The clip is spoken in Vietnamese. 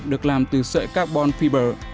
được làm từ sợi carbon fiber